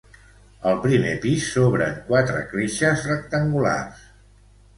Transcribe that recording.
Al primer pis s'obren quatre cletxes rectangulars.